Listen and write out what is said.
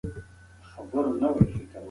پېرېدونکي جذب شول.